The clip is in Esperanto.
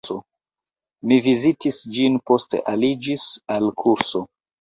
Mi vizitis ĝin, poste aliĝis al kurso.